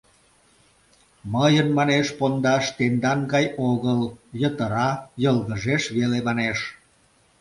— Мыйын, манеш, пондаш тендан гай огыл, йытыра, йылгыжеш веле, манеш.